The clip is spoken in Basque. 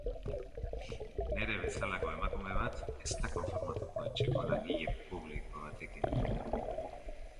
Nere bezalako emakume bat ez da konformatuko etxeko langile publiko batekin.